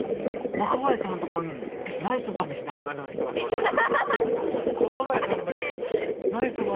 若林さんのとこナイスバディな人が座ってる。